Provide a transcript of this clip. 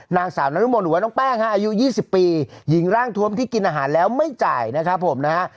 นางสาวนรมนหรือว่าน้องแป้งฮะอายุ๒๐ปีหญิงร่างทวมที่กินอาหารแล้วไม่จ่ายนะครับผมนะฮะ